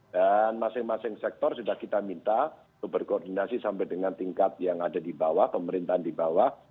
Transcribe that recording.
dan masing masing sektor sudah kita minta untuk berkoordinasi sampai dengan tingkat yang ada di bawah pemerintahan di bawah